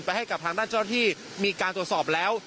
ให้กับทางด้านเจ้าหน้าที่มีการตรวจสอบแล้ว